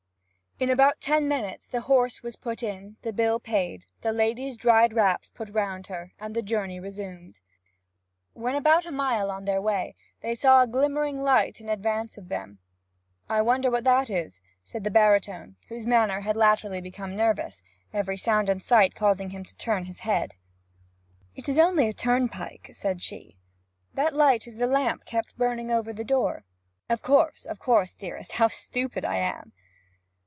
In about ten minutes the horse was put in, the bill paid, the lady's dried wraps put round her, and the journey resumed. When about a mile on their way, they saw a glimmering light in advance of them. 'I wonder what that is?' said the baritone, whose manner had latterly become nervous, every sound and sight causing him to turn his head. 'It is only a turnpike,' said she. 'That light is the lamp kept burning over the door.' 'Of course, of course, dearest. How stupid I am!'